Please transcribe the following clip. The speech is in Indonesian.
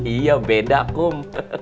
iya beda kum